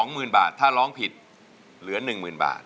หมื่นบาทถ้าร้องผิดเหลือ๑๐๐๐บาท